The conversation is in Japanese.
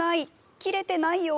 切れてないよ。